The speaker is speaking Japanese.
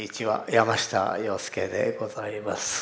山下洋輔でございます。